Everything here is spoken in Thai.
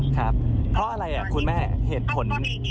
ครับเพราะอะไรคุณแม่เหตุผล